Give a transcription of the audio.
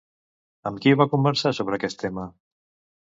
Amb qui va conversar sobre aquest tema?